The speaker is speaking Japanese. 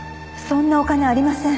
そんなお金ありません。